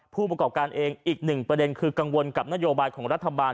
ผู้ประกอบการเองอีกหนึ่งประเด็นคือกังวลกับนโยบายของรัฐบาล